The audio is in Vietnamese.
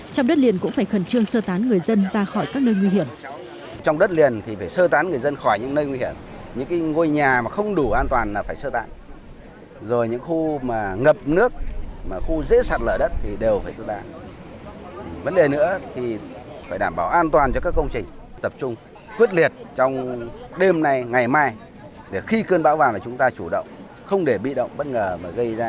trong đất liền cũng phải khẩn trương sơ tán người dân ra khỏi các nơi nguy hiểm